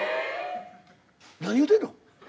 何言うてんの？